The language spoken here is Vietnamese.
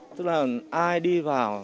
tức là ai đi vào